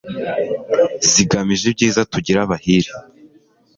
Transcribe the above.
zigamije ibyiza, tugire abahire